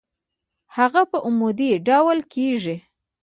هغه په عمودي ډول کیږدئ.